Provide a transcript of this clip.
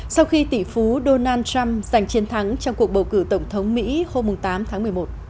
sau khi tỷ phú donald trump giành chiến thắng trong cuộc bầu cử tổng thống mỹ hôm tám tháng một mươi một